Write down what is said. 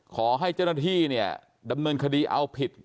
ขอให้เจ้าหน้าที่เนี่ยดำเนินคดีเอาผิด